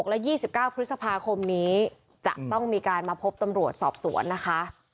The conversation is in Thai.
และ๒๙พฤษภาคมนี้จะต้องมีการมาพบตำรวจสอบสวนนะคะ